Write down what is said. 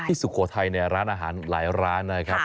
ที่สุโขทัยร้านอาหารหลายมาร้านนะคะ